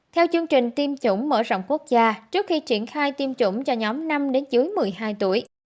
theo chương trình tiêm chủng mở rộng quốc gia trước khi triển khai tiêm chủng cho nhóm năm đến dưới một mươi hai tuổi